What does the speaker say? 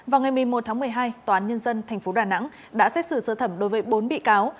vào ngày một mươi một tháng một mươi hai tòa án nhân dân tp đà nẵng đã xét xử sơ thẩm đối với bốn bị cáo